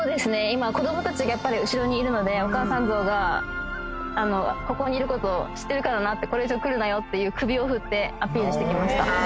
今子どもたちがやっぱり後ろにいるのでお母さん象がここにいること知ってるからなってこれ以上来るなよっていう首を振ってアピールしてきました